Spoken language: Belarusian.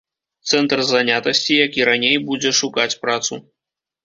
Цэнтр занятасці, як і раней, будзе шукаць працу.